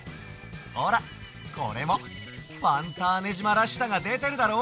ほらこれもファンターネじまらしさがでてるだろ？